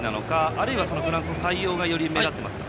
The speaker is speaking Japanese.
あるいはフランスの対応がより目立っていますか。